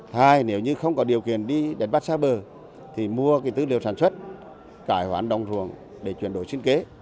hai nếu như không có điều kiện đi đánh bắt xa bờ thì mua cái tư liệu sản xuất cải hoán đồng ruộng để chuyển đổi sinh kế